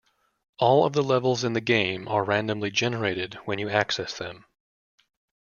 All of the levels in the game are randomly generated when you access them.